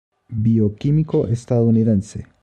Bioquímico estadounidense.